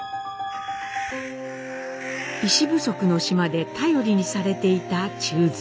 医師不足の島で頼りにされていた忠蔵。